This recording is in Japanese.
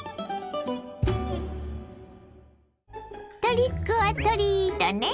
トリックオアトリートね。